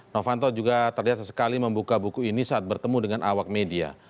novanto juga terlihat sesekali membuka buku ini saat bertemu dengan awak media